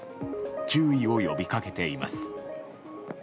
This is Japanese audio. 注意を呼び掛けています。